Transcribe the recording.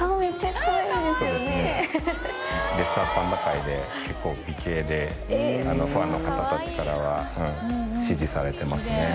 レッサーパンダ界で結構美形でファンの方たちからは支持されてますね。